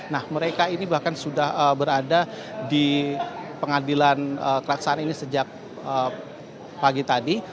nah mereka ini bahkan sudah berada di pengadilan kelaksanaan ini sejak pagi tadi